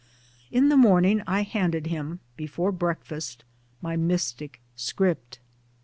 In the morning I handed him, before break fast, my mystic script.